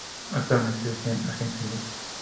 Actualmente es agente Libre.